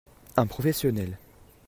Un professionnel.